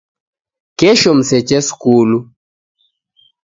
Kesho mseche skulu